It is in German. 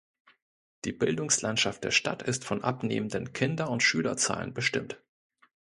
Die Bildungslandschaft der Stadt ist von abnehmenden Kinder- und Schülerzahlen bestimmt.